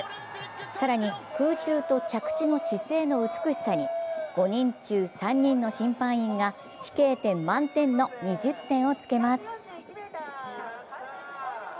更に空中と着地の姿勢の美しさに５人中３人の審判員が飛型点満点の２０点をつけます。